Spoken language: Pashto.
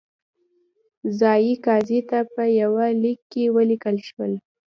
ځايي قاضي ته په یوه لیک کې ولیکل شول.